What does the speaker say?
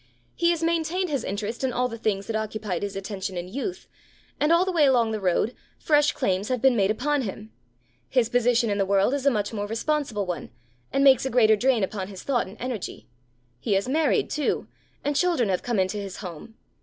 He has maintained his interest in all the things that occupied his attention in youth; and, all the way along the road, fresh claims have been made upon him. His position in the world is a much more responsible one, and makes a greater drain upon his thought and energy. He has married, too, and children have come into his home.